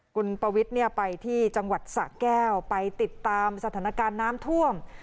คุณปวิทย์ไปที่จังหวัดสะแก้วไปติดตามสถานการณ์น้ำท่วม